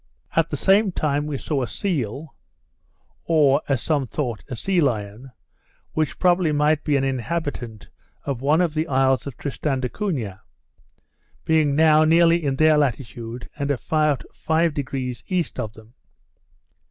At the same time we saw a seal, or, as some thought, a sea lion, which probably might be an inhabitant of one of the isles of Tristian de Cunhah, being now nearly in their latitude, and about 5° east of them.